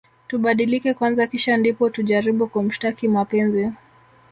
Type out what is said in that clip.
Tubadilike kwanza kisha ndipo tujaribu kumshtaki mapenzi